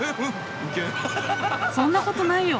そんなことないよ。